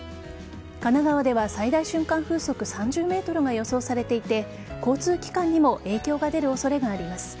神奈川では最大瞬間風速３０メートルが予想されていて交通機関にも影響が出る恐れがあります。